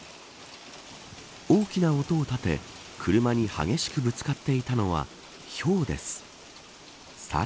大きな音をたて車に激しくぶつかっていったのはひょうです。